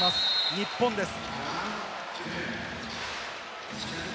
日本です。